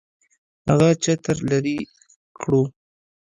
هغه چتر لري کړو.